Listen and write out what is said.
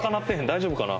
大丈夫かな？